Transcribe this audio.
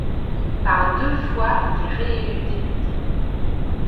Par deux fois il est réélu député.